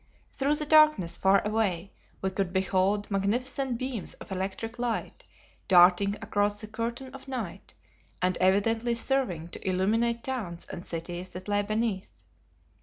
Through the darkness, far away, we could behold magnificent beams of electric light darting across the curtain of night, and evidently serving to illuminate towns and cities that lay beneath.